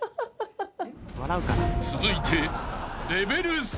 ［続いて］